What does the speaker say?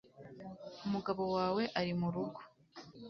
umugabo wawe ari murugo